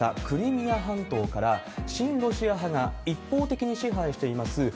クリミア半島から、親ロシア派が一方的に支配しています